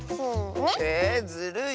えずるい！